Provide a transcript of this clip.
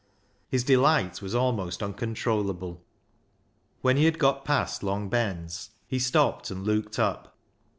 His delight was almost uncontrollable. When he had got past Long Ben's he stopped and looked up.